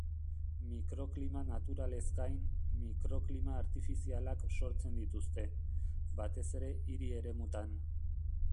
Mikroklima naturalez gain, mikroklima artifizialak sortzen dituzte, batez ere hiri-eremutan.